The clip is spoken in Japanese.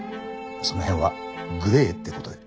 その辺はグレーって事で。